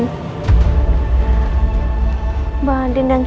mbak andi dan kita